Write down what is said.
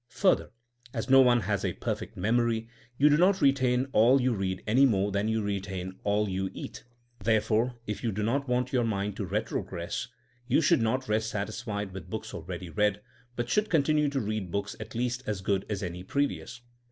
Further, as no one has a perfect memory, you do not retain all you read any more than you retain all you 232 TUIMKING AS A 80IEN0E eat. Therefore if you do not want your mind to retrogress, you should not rest satisfied with books already read, but should continue to read books at least as good as any previous.